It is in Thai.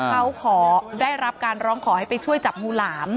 เขาขอได้รับการร้องขอให้ไปช่วยจับงูหลาม